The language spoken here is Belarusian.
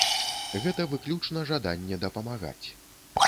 Гэта выключна жаданне дапамагаць.